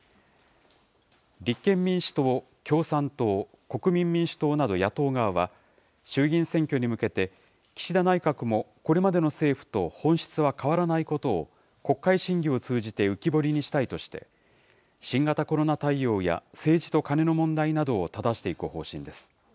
立憲民主党、共産党、国民民主党など野党側は、衆議院選挙に向けて岸田内閣もこれまでの政府と本質は変わらないことを、国会審議を通じて浮き彫りにしたいとして、新型コロナ対応や政治とカネの問題などをただしていく方針です。